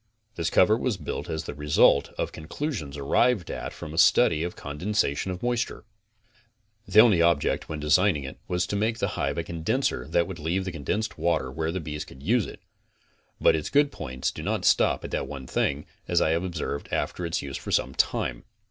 This cover was built as the result of conclusions arrived at from a study of condensation of moisture. The only object when designing it was to make the hive a condenser that would jleave the condensed water where the bees could use it, but its good points do not stop at that one thing, as I have observed after its use for some time.